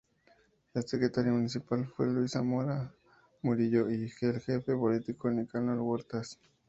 El secretario municipal fue Luis Zamora Murillo y el jefe político Nicanor Huertas.